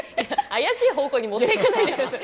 怪しい方向に持っていかないでください。